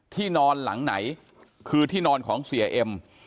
ที่นอนหลังไหนคือที่นอนของเสียเอ็ม